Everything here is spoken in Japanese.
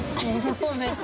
そうね。